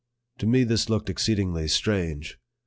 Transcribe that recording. To me this looked exceedingly strange.